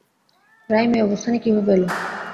Rhyme এই অবস্থানে কীভাবে এলো?